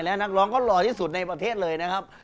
และนักร้องเขาหล่อที่สุดในประเทศเลยนะครับ